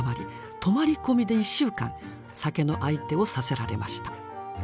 泊まり込みで１週間酒の相手をさせられました。